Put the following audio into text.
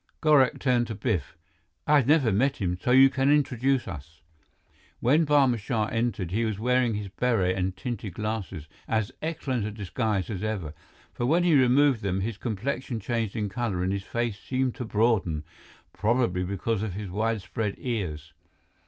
Gorak turned to Biff. "I have never met him, so you can introduce us." [Illustration: Boat on river, passing a town] When Barma Shah entered, he was wearing his beret and tinted glasses, as excellent a disguise as ever, for when he removed them, his complexion changed in color and his face seemed to broaden, probably because of his widespread ears.